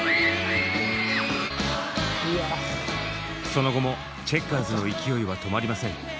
その後もチェッカーズの勢いは止まりません。